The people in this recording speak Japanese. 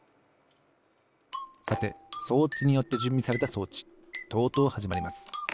さて装置によってじゅんびされた装置とうとうはじまります。